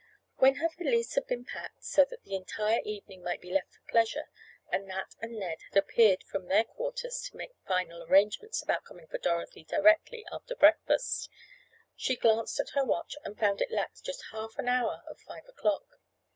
When her valise had been packed, so that the entire evening might be left for pleasure, and Nat and Ned had appeared from their quarters to make final arrangements about coming for Dorothy directly after breakfast, she glanced at her watch and found it lacked just half an hour of five o'clock!